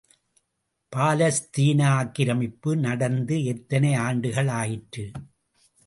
பாலஸ்தீன ஆக்கிரமிப்பு நடந்து எத்தனை ஆண்டுகளாயிற்று.